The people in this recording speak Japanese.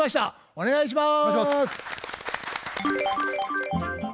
お願いします。